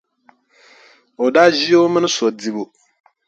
O daa ʒi o mini so dibu.